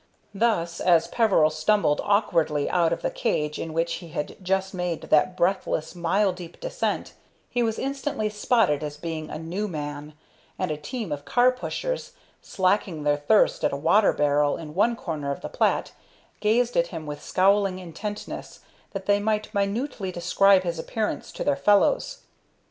Thus, as Peveril stumbled awkwardly out of the cage in which he had just made that breathless, mile deep descent, he was instantly spotted as being a new man, and a team of car pushers, slaking their thirst at a water barrel in one corner of the plat, gazed at him with scowling intentness, that they might minutely describe his appearance to their fellows.